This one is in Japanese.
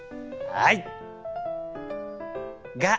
はい！